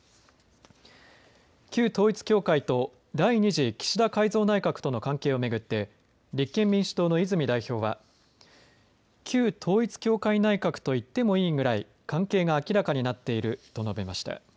旧統一教会と第２次岸田改造内閣との関係を巡って立憲民主党の泉代表は旧統一教会内閣と言ってもいいぐらい関係が明らかになっていると述べました。